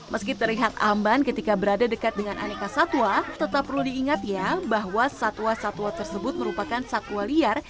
meski terlihat aman ketika berada dekat dengan aneka satwa tetap perlu diingat ya bahwa satwa satwa tersebut merupakan satwa liar